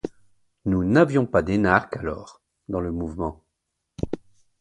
Nous n’avions pas d’énarque alors, dans le mouvement.